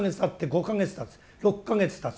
７か月たつ。